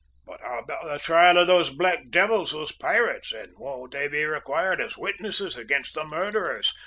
"But how about the trial of those black devils, those pirates, then; won't they be required as witnesses against the murderers?"